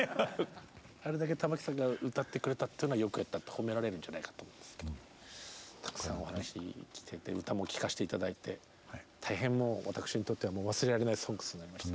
あれだけ玉置さんが歌ってくれたっていうのはよくやったって褒められるんじゃないかと思うんですけどたくさんお話を聞けて歌も聴かせて頂いて大変もう私にとっては忘れられない「ＳＯＮＧＳ」になりました。